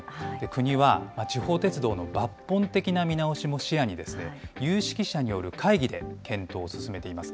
国は、地方鉄道の抜本的な見直しも視野に、有識者による会議で検討を進めています。